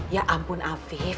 ya ampun afif